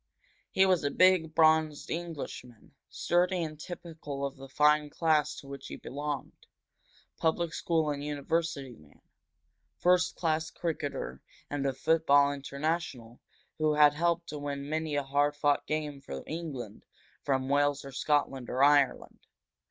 He was a big, bronzed Englishman, sturdy and typical of the fine class to which he belonged public school and university man, first class cricketer and a football international who had helped to win many a hard fought game for England from Wales or Scotland or Ireland.